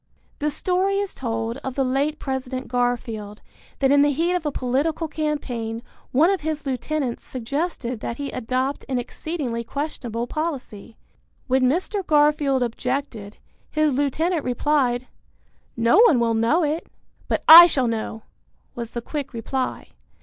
The story is told of the late President Garfield that in the heat of a political campaign one of his lieutenants suggested that he adopt an exceedingly questionable policy. When Mr. Garfield objected, his lieutenant replied, "No one will know it." "But I shall know," was the quick reply.